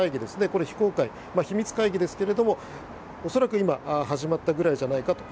これ、非公開、秘密会議ですが恐らく今始まったぐらいじゃないかと。